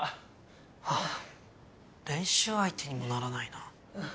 ハァ練習相手にもならないな。